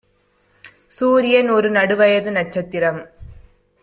சூரியன் ஒரு நடுவயது நட்சத்திரம்